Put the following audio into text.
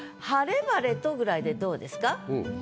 「はればれと」ぐらいでどうですか？